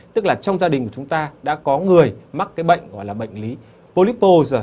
tức là trong gia đình của chúng ta đã có người mắc bệnh gọi là bệnh lý polypose